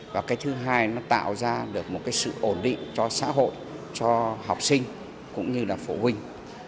và cái thứ hai nó tạo ra được một cái sự ổn định cho xã hội cho học sinh cũng như là phổ huynh